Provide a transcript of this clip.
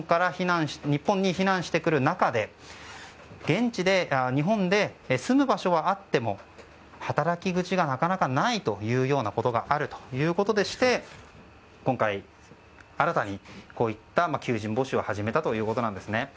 日本に避難してくる中で日本で、住む場所はあっても働き口がなかなかないというようなことがあるということでして今回、新たにこういった求人募集を始めたということです。